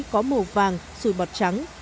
có màu vàng sùi bọt trắng